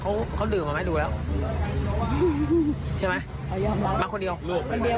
เขาเขาดื่มมาไหมดูแล้วใช่ไหมมาคนเดียวลูกคนเดียว